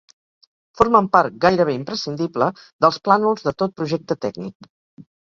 Formen part, gairebé imprescindible, dels plànols de tot projecte tècnic.